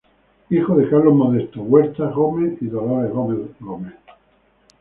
Hijo de Carlos Modesto Huertas Gómez y Dolores Gómez Gómez.